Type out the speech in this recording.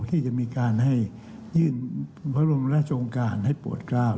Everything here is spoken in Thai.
ที่จะมีการให้ยื่นพระรมและจงการให้โหวตก้าว